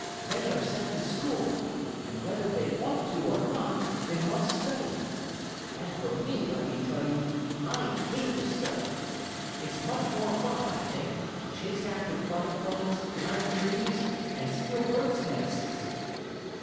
They are sent to school, and whether they want to or not, they must study. As for me, let me tell you, I hate to study! It's much more fun, I think, to chase after butterflies, climb trees, and steal birds' nests."